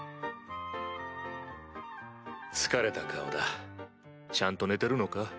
疲れた顔だちゃんと寝てるのか？